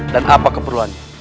dan apa keperluannya